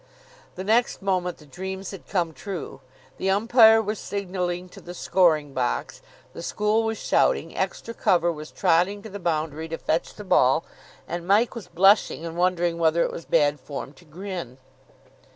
The next moment the dreams had come true. The umpire was signalling to the scoring box, the school was shouting, extra cover was trotting to the boundary to fetch the ball, and Mike was blushing and wondering whether it was bad form to grin.